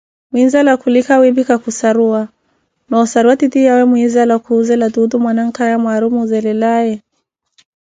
Muinzala khunlika wiphika khussaruwa, noo ossaruwa titiyawe muinzala khuzela tuutu manankhaya Mwari omuzeelelaye?